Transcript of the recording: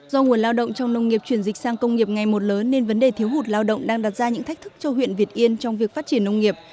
do nguồn lao động trong nông nghiệp chuyển dịch sang công nghiệp ngày một lớn nên vấn đề thiếu hụt lao động đang đặt ra những thách thức cho huyện việt yên trong việc phát triển nông nghiệp